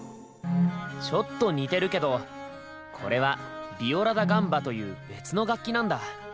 ちょっと似てるけどこれは「ヴィオラ・ダ・ガンバ」という別の楽器なんだ。